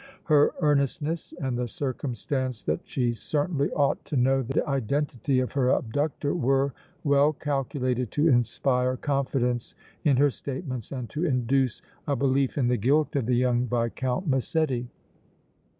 Her earnestness and the circumstance that she certainly ought to know the identity of her abductor were well calculated to inspire confidence in her statements and to induce a belief in the guilt of the young Viscount Massetti.